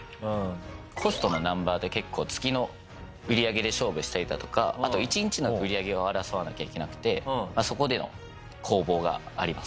ホストのナンバーって結構月の売り上げで勝負したりだとかあと１日の売り上げを争わなきゃいけなくてそこでの攻防があります。